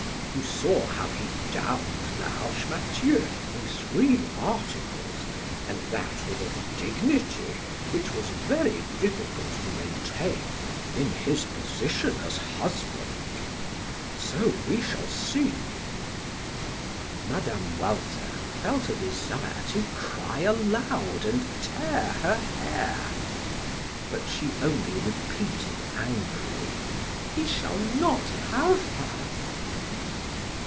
You saw how he downed Laroche Mathieu in three articles, and that with a dignity which was very difficult to maintain in his position as husband. So, we shall see." Mme. Walter felt a desire to cry aloud and tear her hair. But she only repeated angrily: "He shall not have her!"